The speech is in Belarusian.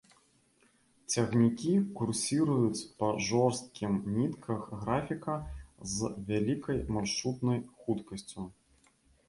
Цягнікі курсіруюць па жорсткім нітках графіка, з вялікай маршрутнай хуткасцю.